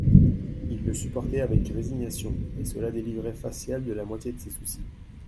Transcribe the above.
Il le supportait avec résignation, et cela délivrait Facial de la moitié de ses soucis.